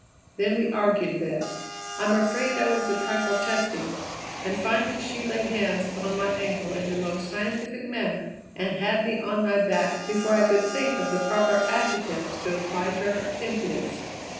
Then we argued a bit I'm afraid I was a trifle testy and finally she laid hands upon my ankle in the most scientific manner and had me on my back before I could think of the proper adjectives to apply to her impudence."